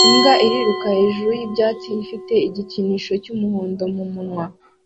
Imbwa iriruka hejuru yibyatsi ifite igikinisho cyumuhondo mumunwa